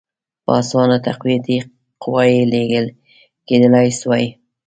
په اسانه تقویتي قواوي لېږل کېدلای سوای.